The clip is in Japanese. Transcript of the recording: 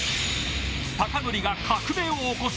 「貴教が革命を起こす」